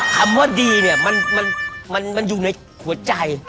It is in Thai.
คำว่าดีเนี่ยมันอยู่ในหัวใจ